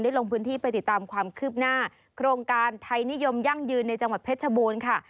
ลงพื้นที่ไปติดตามความคืบหน้าโครงการไทยนิยมยั่งยืนในจังหวัดเพชรบูรณ์ค่ะ